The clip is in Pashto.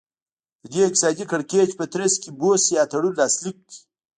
د دې اقتصادي کړکېچ په ترڅ کې بوسیا تړون لاسلیک کړ.